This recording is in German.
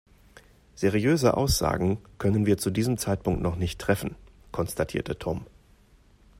Seriöse Aussagen können wir zu diesem Zeitpunkt noch nicht treffen, konstatierte Tom.